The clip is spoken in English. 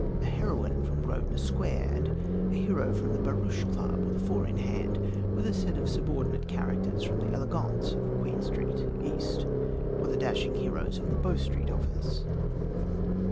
a heroine from Grosvenor Square, and a hero from the Barouche Club or the Four in Hand, with a set of subordinate characters from the elegantes of Queen Anne Street, East, or the dashing heroes of the Bow Street Office?"